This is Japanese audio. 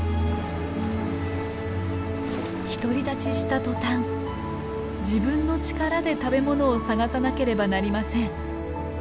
独り立ちしたとたん自分の力で食べ物を探さなければなりません。